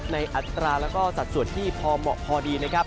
อัตราแล้วก็สัดส่วนที่พอเหมาะพอดีนะครับ